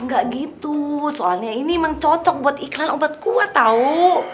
nggak gitu soalnya ini memang cocok buat iklan obat kuat tahu